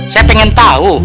saya pengen tau